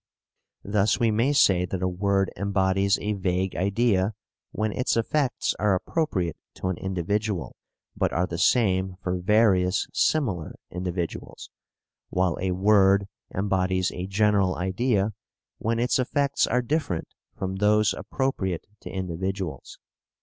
Thus we may say that a word embodies a vague idea when its effects are appropriate to an individual, but are the same for various similar individuals, while a word embodies a general idea when its effects are different from those appropriate to individuals.